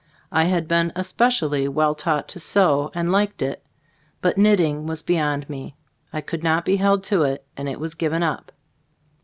I had been es pecially well taught to sew and liked it, but knitting was beyond me. I could not be held to it, and it was given up.